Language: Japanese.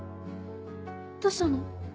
どうしたの？